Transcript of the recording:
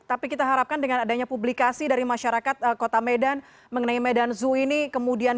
baik tapi kita harapkan dengan adanya publikasi dari masyarakat kota medan mengenai medan zoo ini kemudian bisa viral di lini masyarakat